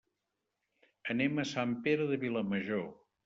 Anem a Sant Pere de Vilamajor.